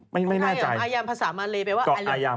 ไม่แน่ใจคนไทยอ่ะอายัมภาษามันเลไปว่าอายัม